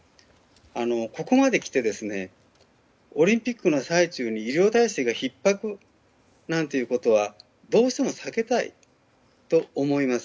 ここまで来てオリンピックの最中に医療体制がひっ迫なんてことはどうしても避けたいと思います。